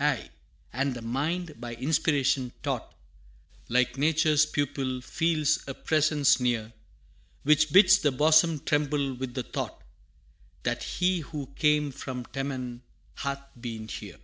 Aye and the mind, by inspiration taught, Like nature's pupil feels a Presence near, Which bids the bosom tremble with the thought That He who came from Teman hath been here!